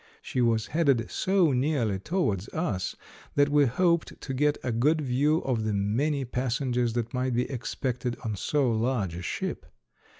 She was headed so nearly towards us that we hoped to get a good view of the many passengers that might be expected on so large a ship.